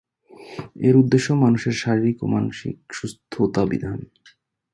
এর উদ্দেশ্য মানুষের শারীরিক ও মানসিক সুস্থতাবিধান।